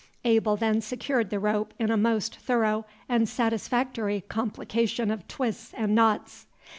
Abel then secured the rope in a most thorough and satisfactory complication of twists and knots.